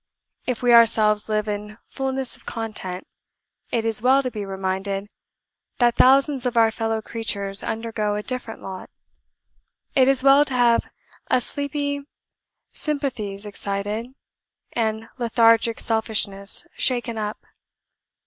If we ourselves live in fulness of content, it is well to be reminded that thousands of our fellow creatures undergo a different lot; it is well to have sleepy sympathies excited, and lethargic selfishness shaken up.